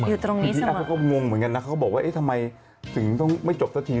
พี่พีชก็งงเหมือนกันนะบอกว่าทำไมสิ่งนี้ต้องไม่จบซะที